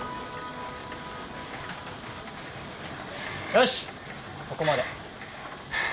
よしここまで。